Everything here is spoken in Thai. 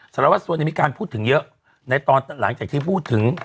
สารวัสสัวมีการพูดถึงเยอะในตอนหลังจากที่พูดถึง